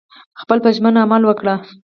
خپل په ژمنه عمل وکړه